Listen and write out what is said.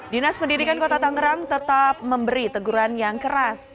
dinas pendidikan kota tangerang tetap memberi teguran yang keras